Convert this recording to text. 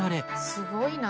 すごいな。